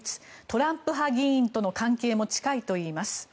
トランプ派議員との関係も近いといいます。